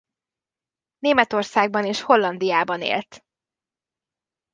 Németországban és Hollandiában élt.